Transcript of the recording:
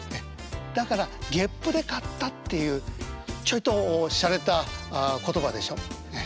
だから「月賦で買った」っていうちょいとしゃれた言葉でしょ？ね。